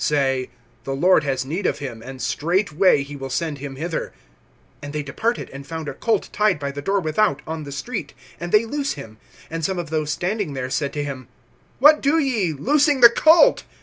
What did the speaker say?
say: The Lord has need of him; and straightway he will send him hither. (4)And they departed, and found a colt tied by the door without, on the street; and they loose him. (5)And some of those standing there, said to them: What do ye, loosing the colt?